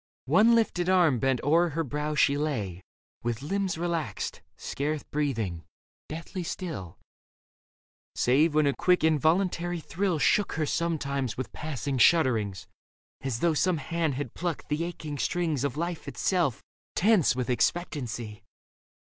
One lifted arm bent o'er her brow, she lay With limbs relaxed, scarce breathing, deathly still ; Save when a quick, involuntary thrill Shook her sometimes with passing shudderings. As though some hand had plucked the aching strings Of life itself, tense with expectancy.